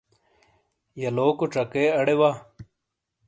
یلوکو چکے اڑے وا۔